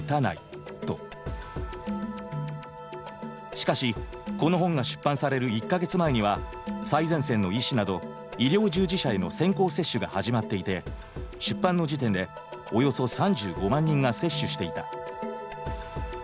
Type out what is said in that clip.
しかしこの本が出版される１か月前には最前線の医師など医療従事者への先行接種が始まっていて出版の時点で一見ですね